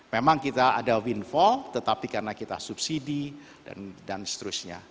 memang kita ada windfall tetapi karena kita subsidi dan seterusnya